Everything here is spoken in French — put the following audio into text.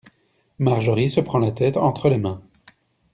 Marjorie se prend la tête entre les mains.